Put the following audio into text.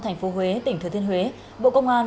tp huế tỉnh thừa thiên huế bộ công an